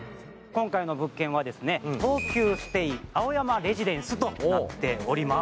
今回の物件は東急ステイ青山レジデンスとなっております。